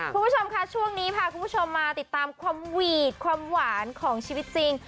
คุณผู้ชมค่ะช่วงนี้พาคุณผู้ชมมาติดตามความหวีดความหวานของชีวิตจริง